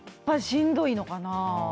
しんどいのかな？